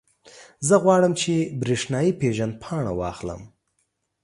زه غواړم، چې برېښنایي پېژندپاڼه واخلم.